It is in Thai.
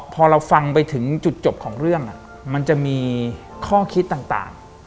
ที่จุดจบของเรื่องมันจะมีข้อคิดต่าง